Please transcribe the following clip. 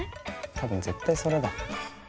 多分絶対それだ。